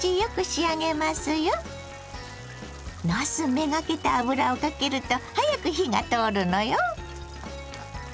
なす目がけて油をかけると早く火が通るのよ。